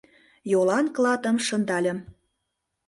Йолан клатым шындальым.